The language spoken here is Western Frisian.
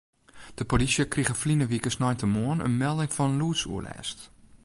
De polysje krige ferline wike sneintemoarn in melding fan lûdsoerlêst.